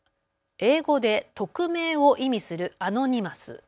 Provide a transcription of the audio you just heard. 英語で匿名を意味するアノニマス。